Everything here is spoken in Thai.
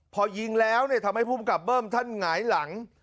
พอยิงแล้วทำให้ภูมิกับเบิ้มท่านหงายหลัง